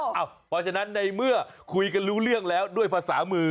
เพราะฉะนั้นในเมื่อคุยกันรู้เรื่องแล้วด้วยภาษามือ